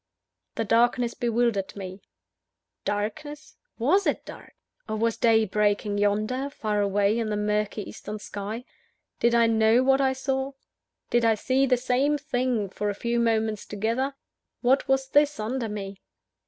The darkness bewildered me. Darkness? Was it dark? or was day breaking yonder, far away in the murky eastern sky? Did I know what I saw? Did I see the same thing for a few moments together? What was this under me?